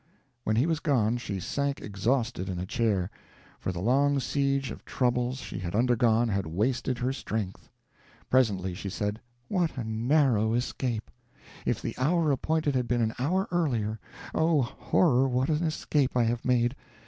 When he was gone, she sank exhausted in a chair, for the long siege of troubles she had undergone had wasted her strength. Presently she said, "What a narrow escape! If the hour appointed had been an hour earlier Oh, horror, what an escape I have made!